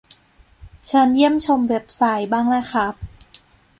เชิญเยี่ยมชมเว็บไซต์ บ้างนะครับ